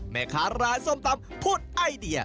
แม่ค้าร้านส้มตำพูดไอเดีย